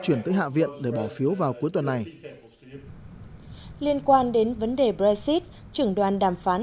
chuyển tới hạ viện để bỏ phiếu vào cuối tuần này liên quan đến vấn đề brexit trưởng đoàn đàm phán